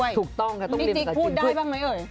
พี่จิ๊กพูดได้บ้างมั้ยเอ๋ย